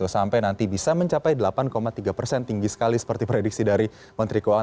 sampai nanti bisa mencapai delapan tiga persen tinggi sekali seperti prediksi dari menteri keuangan